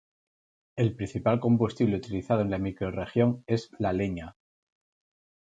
El principal combustible utilizado en la microrregión es la leña.